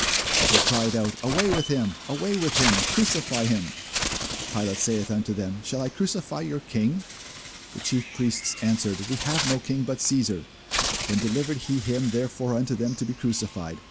But they cried out, Away with him, away with him, crucify him. Pilate saith unto them, Shall I crucify your King? The chief priests answered, We have no king but Cæsar. Then delivered he him therefore unto them to be crucified.